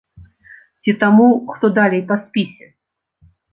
Ці таму, хто далей па спісе?